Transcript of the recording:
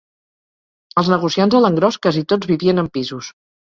Els negociants a l'engròs casi tots vivien en pisos